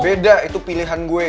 beda itu pilihan gue